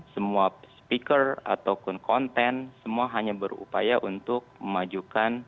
semua speaker ataupun konten semua hanya berupaya untuk memajukan